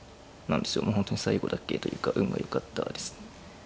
もう本当に最後だけというか運がよかったですね。